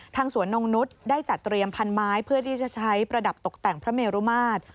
สวนนงนุษย์ได้จัดเตรียมพันไม้เพื่อที่จะใช้ประดับตกแต่งพระเมรุมาตร